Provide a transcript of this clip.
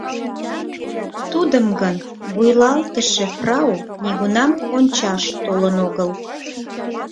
Тудым гын вуйлатыше фрау нигунам ончаш толын огыл.